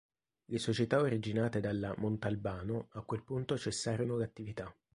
Le società originate dalla "Montalbano" a quel punto cessarono l'attività.